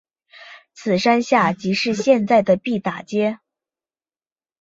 此山下即是现在的毕打街。